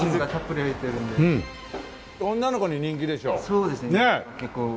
そうですね結構。